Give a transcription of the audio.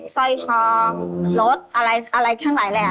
ใส่ของรถอะไรข้างหลายอะไรแหละ